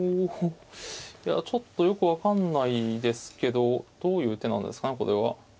いやちょっとよく分かんないですけどどういう手なんですかねこれは。